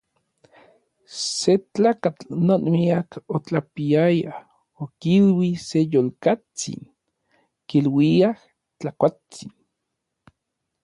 Se tlakatl non miak otlapiaya okilui se yolkatsin kiluiaj Tlakuatsin.